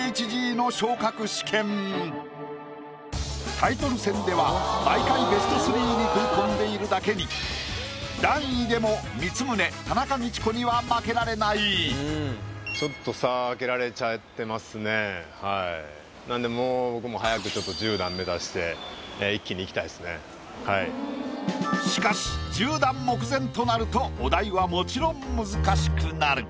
タイトル戦では毎回ベスト３に食い込んでいるだけに段位でもちょっとなんでもう僕もしかし１０段目前となるとお題はもちろん難しくなる。